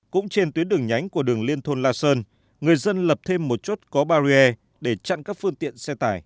cũng trên tuyến đường nhánh của đường liên thôn la sơn người dân lập thêm một chốt có barrier để chặn các phương tiện xe tải